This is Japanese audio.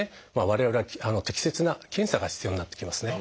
我々は適切な検査が必要になってきますね。